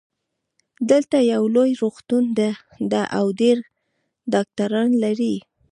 دلته یو لوی روغتون ده او ډېر ډاکټران لری